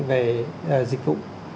về dịch vụ